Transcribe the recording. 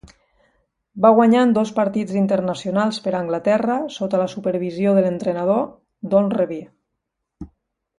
Va guanyar en dos partits internacionals per a Anglaterra sota la supervisió de l'entrenador Don Revie.